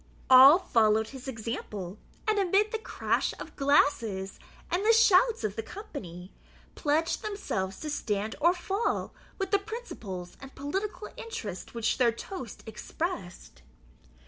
All followed his example, and, amid the crash of glasses and the shouts of the company, pledged themselves to stand or fall with the principles and political interest which their toast expressed.